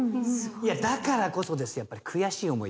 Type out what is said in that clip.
いやだからこそですよ。